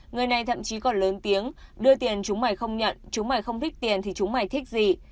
người này thậm chí còn lớn tiếng đưa tiền chúng mài không nhận chúng mà không thích tiền thì chúng mày thích gì